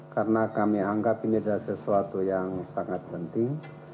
karena kami anggap ini adalah sesuatu yang sangat penting